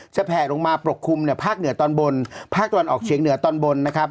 แผลลงมาปกคลุมภาคเหนือตอนบนภาคตะวันออกเฉียงเหนือตอนบนนะครับ